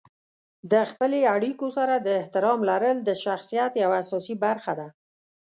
د خپلې اړیکو سره د احترام لرل د شخصیت یوه اساسي برخه ده.